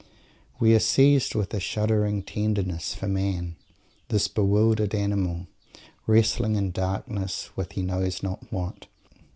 We are seized with a shuddering tenderness for Man. This bewildered animal wrestling in darkness with he knows not what.